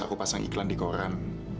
aku pasang iklan di koran